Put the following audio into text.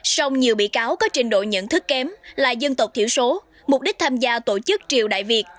sông nhiều bị cáo có trình độ nhận thức kém là dân tộc thiểu số mục đích tham gia tổ chức triều đại việt